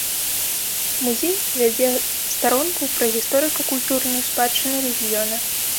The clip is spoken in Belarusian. Музей вядзе старонку пра гісторыка-культурную спадчыну рэгіёна.